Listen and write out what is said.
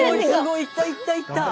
いったいったいった。